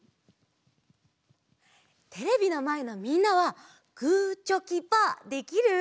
テレビのまえのみんなはグーチョキパーできる？